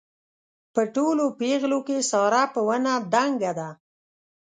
په ټولو پېغلو کې ساره په ونه دنګه ده.